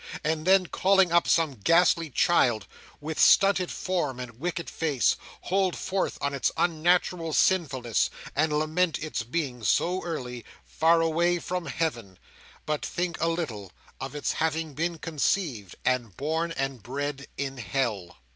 And then, calling up some ghastly child, with stunted form and wicked face, hold forth on its unnatural sinfulness, and lament its being, so early, far away from Heaven—but think a little of its having been conceived, and born and bred, in Hell!